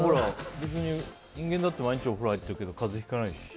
別に人間だって毎日お風呂に入ってるけどそうですよね。